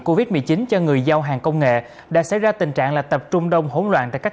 covid một mươi chín cho người giao hàng công nghệ đã xảy ra tình trạng là tập trung đông hỗn loạn tại các